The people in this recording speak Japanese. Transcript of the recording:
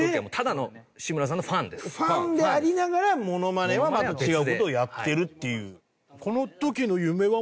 ファンでありながらモノマネはまた違う事をやってるっていう。